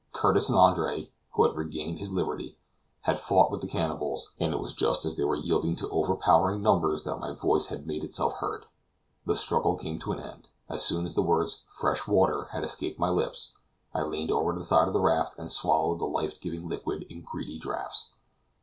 Curtis and Andre (who had regained his liberty) had fought with the cannibals, and it was just as they were yielding to over powering numbers that my voice had made itself heard. The struggle came to an end. As soon as the words "fresh water" had escaped my lips, I leaned over the side of the raft and swallowed the life giving liquid in greedy draughts.